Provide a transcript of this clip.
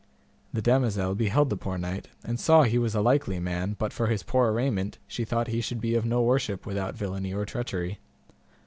The damosel beheld the poor knight, and saw he was a likely man, but for his poor arrayment she thought he should be of no worship without villainy or treachery.